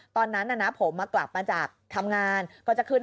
ตอนต่อไป